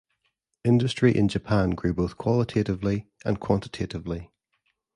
Industry in Japan grew both qualitatively and quantitatively.